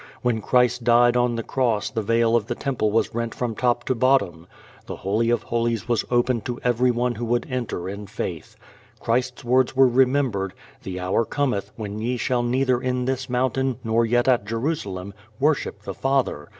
When Christ died on the cross the veil of the temple was rent from top to bottom. The Holy of Holies was opened to everyone who would enter in faith. Christ's words were remembered, "The hour cometh, when ye shall neither in this mountain, nor yet at Jerusalem, worship the Father....